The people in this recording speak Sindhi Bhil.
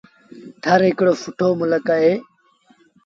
ٿر هڪڙو سُٺو ملڪ اهي